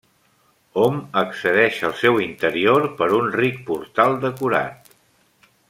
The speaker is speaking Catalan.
Hom accedeix al seu interior per un ric portal decorat.